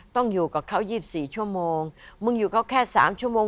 ต้องอยู่กับเขา๒๔ชั่วโมงมึงอยู่เขาแค่๓ชั่วโมง